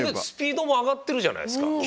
スピードも上がってるじゃないですか。